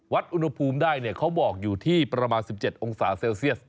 อุณหภูมิได้เขาบอกอยู่ที่ประมาณ๑๗องศาเซลเซียส